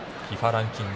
ランキング